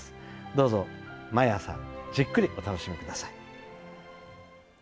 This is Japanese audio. どうぞ毎朝、じっくりお楽しみください。